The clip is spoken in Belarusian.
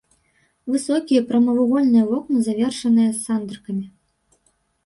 Высокія прамавугольныя вокны завершаныя сандрыкамі.